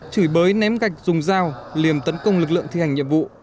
chửi bới ném gạch dùng dao liềm tấn công lực lượng thi hành nhiệm vụ